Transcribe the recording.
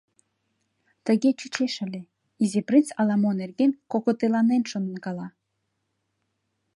Тыге чучеш ыле: Изи принц ала-мо нерген кокытеланен шонкала.